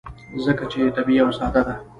ځکه چې طبیعي او ساده ده.